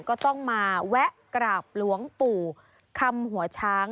ก็ต้องมาแวะกราบหลวงปู่คำหัวช้าง